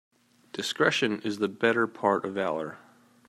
Discretion is the better part of valour.